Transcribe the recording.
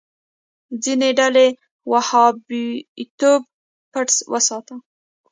ځینې ډلې وهابيتوب پټ وساتي.